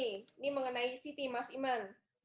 ini mengenai city mas iman